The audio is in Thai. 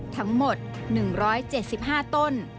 ทั้งหมด๑๗๕ต้น